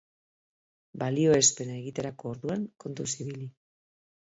Balioespena egiterako orduan, kontuz ibili.